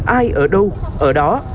ai ở đâu ở đó